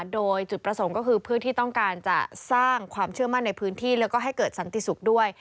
โดยจุดประสงค์ก็คือพื้นที่ต้องการจะสร้างความเชื่อมั่นในพื้นที่แล้วก็ให้เกิดสันติสุขด้วย